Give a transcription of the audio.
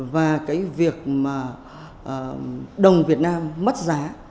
và cái việc mà đồng việt nam mất giá